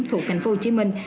thuộc thành phố hồ chí minh